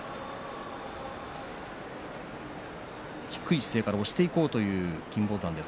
低い姿勢から押していこうという金峰山です。